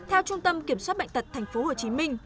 theo trung tâm kiểm soát bệnh tật tp hcm